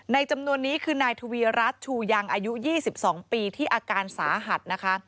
จำนวนนี้คือนายทวีรัฐชูยังอายุ๒๒ปีที่อาการสาหัสนะคะ